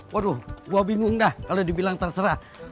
waduh gue bingung dah kalau dibilang terserah